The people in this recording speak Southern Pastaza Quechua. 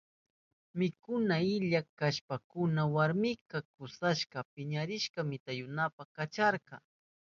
Mikuna illa kashpankuna warminka kusanta piñarishpan mitayunanpa kacharka.